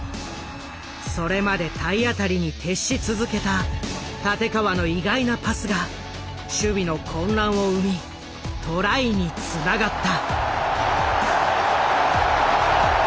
それまで体当たりに徹し続けた立川の意外なパスが守備の混乱を生みトライにつながった。